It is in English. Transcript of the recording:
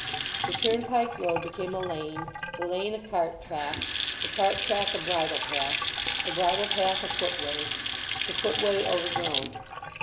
The turnpike road became a lane, the lane a cart track, the cart track a bridle path, the bridle path a foot way, the foot way overgrown.